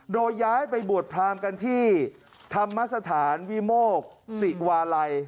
โดยย้ายไปบวชพรามกันที่ธรรมสถานวิโมกศิวาลัย